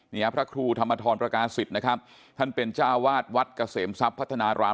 พระครูธรรมทรประกาศิษย์นะครับท่านเป็นเจ้าวาดวัดเกษมทรัพย์พัฒนาราม